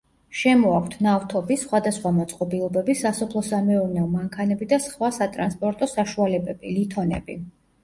შემოაქვთ: ნავთობი, სხვადასხვა მოწყობილობები, სასოფლო-სამეურნეო მანქანები და სხვა სატრანსპორტო საშუალებები, ლითონები.